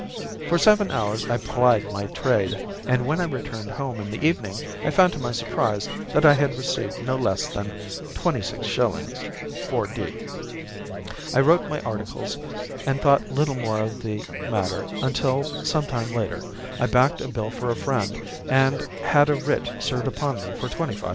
For seven hours I plied my trade, and when I returned home in the evening I found to my surprise that I had received no less than 26_s_. 4_d_. "I wrote my articles and thought little more of the matter until, some time later, I backed a bill for a friend and had a writ served upon me for £ 25.